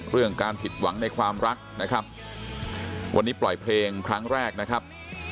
เรื่องการผิดหวังในความรักนะครับวันนี้ปล่อยเพลงครั้งแรกนะครับ